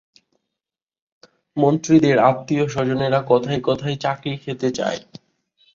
মন্ত্রীদের আত্মীয়স্বজনেরা কথায় কথায় চাকরি খেতে চায়।